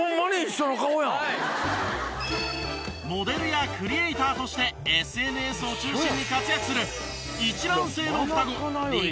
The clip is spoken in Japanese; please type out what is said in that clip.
モデルやクリエイターとしてＳＮＳを中心に活躍する一卵性の双子りかりこさん。